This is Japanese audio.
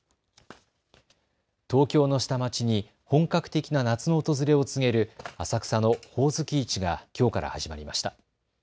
東京の下町に本格的な夏の訪れを告げる浅草のほおずき市がきょうから始まりました。